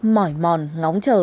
mỏi mòn ngóng trở